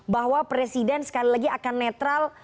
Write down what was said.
bahwa presiden sekali lagi akan netral